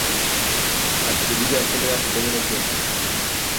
Ar trebui de asemenea să dăm un exemplu.